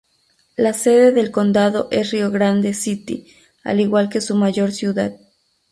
La sede del condado es Río Grande City, al igual que su mayor ciudad.